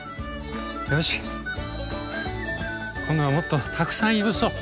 よし今度はもっとたくさんいぶそう。